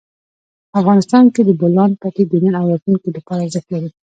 افغانستان کې د بولان پټي د نن او راتلونکي لپاره ارزښت لري.